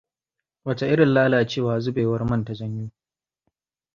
Wace irin lalacewa zubewar man ta janyo?